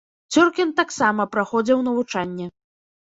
Цёркін таксама праходзіў навучанне.